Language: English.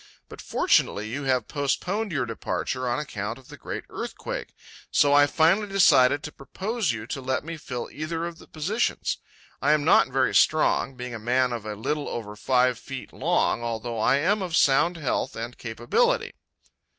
But fortunately you have postponed your departure on account of the great earthquake, so I finally decided to propose you to let me fill either of the positions. I am not very strong, being a man of a little over five feet long, although I am of sound health and capability."